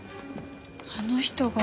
あの人が。